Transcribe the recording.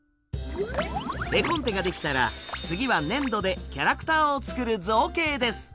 絵コンテができたら次は粘土でキャラクターを作る造形です！